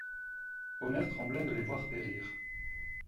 Omer trembla de les voir périr.